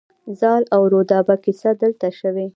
زال او رودابه کیسه دلته شوې